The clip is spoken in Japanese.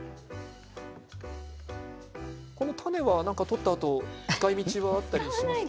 種は取ったあと使いみちはあったりしますか？